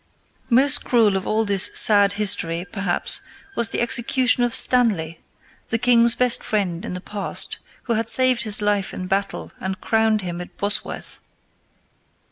Most cruel of all this sad history, perhaps, was the execution of Stanley, the king's best friend in the past, who had saved his life in battle and crowned him at Bosworth.